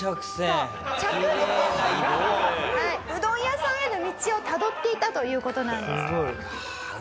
着実にうどん屋さんへの道をたどっていたという事なんです。